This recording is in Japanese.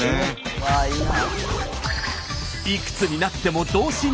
うわいいな。